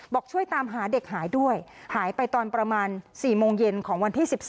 ช่วยตามหาเด็กหายด้วยหายไปตอนประมาณ๔โมงเย็นของวันที่๑๒